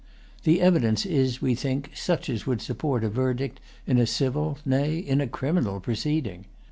The evidence is, we think, such as would support a verdict in a civil, nay, in a criminal proceeding.